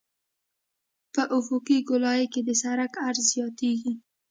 په افقي ګولایي کې د سرک عرض زیاتیږي